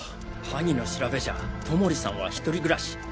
ハギの調べじゃ外守さんは一人暮らし。